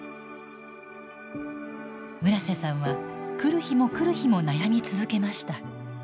村瀬さんは来る日も来る日も悩み続けました。